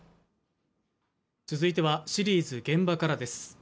続いてはシリーズ「現場から」です。